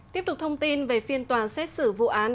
tiếp tục thông tin về phiên tòa xét xử vụ án